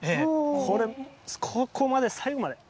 これ、ここまで、最後まで。